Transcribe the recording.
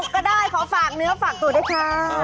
สนุกก็ได้ขอฝากเนื้อฝากตัวได้ครับ